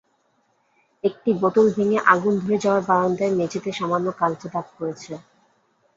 একটি বোতল ভেঙে আগুন ধরে যাওয়ায় বারান্দার মেঝেতে সামান্য কালচে দাগ পড়েছে।